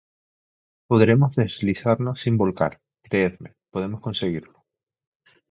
podremos deslizarnos sin volcar, creedme, podemos conseguirlo.